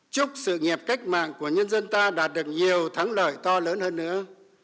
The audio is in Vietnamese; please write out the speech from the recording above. chúc sự nghiệp cách mạng của nhân dân ta đạt được nhiều thắng lợi to lớn hơn nữa